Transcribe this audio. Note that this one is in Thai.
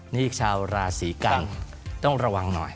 นี่ชาวราศีกันต้องระวังหน่อย